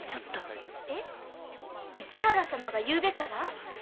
市原様がゆうべから？